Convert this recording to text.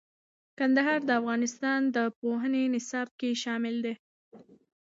کندهار د افغانستان د پوهنې نصاب کې شامل دی.